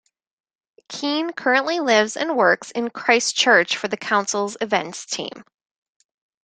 Kean currently lives and works in Christchurch for the Council's Events team.